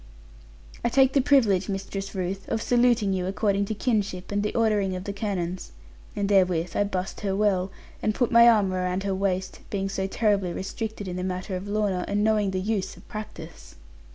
'I take the privilege, Mistress Ruth, of saluting you according to kinship, and the ordering of the Canons.' And therewith I bussed her well, and put my arm around her waist, being so terribly restricted in the matter of Lorna, and knowing the use of practice.